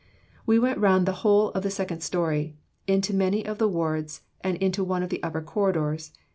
"We went round the whole of the second story, into many of the wards and into one of the upper corridors.